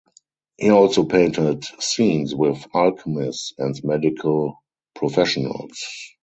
He also painted scenes with alchemists and medical professionals.